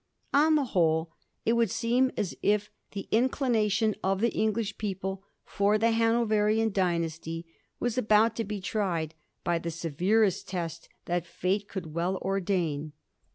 On the whole, it would seem as if the inclination of the English people for the Hanoverian dynasty was about to be tried by the severest test that fate could well ordain.